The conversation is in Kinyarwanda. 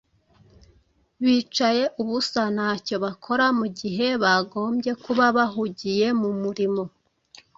bicaye ubusa ntacyo bakora mu gihe bagombye kuba bahugiye mu murimo.